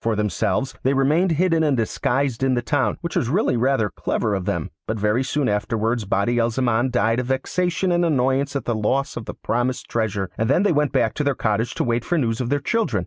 For themselves, they remained hidden and disguised in the town, which was really rather clever of them; but very soon afterwards Badi al Zaman died of vexation and annoyance at the loss of the promised treasure, and then they went back to their cottage to wait for news of their children.